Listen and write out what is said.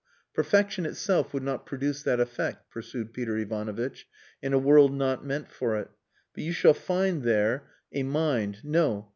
"Perfection itself would not produce that effect," pursued Peter Ivanovitch, "in a world not meant for it. But you shall find there a mind no!